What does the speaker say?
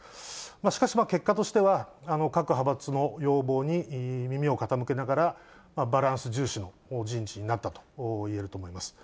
しかし、結果としては、各派閥の要望に耳を傾けながら、バランス重視の人事になったといえると思います。